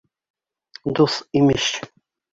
Дуҫ, имеш!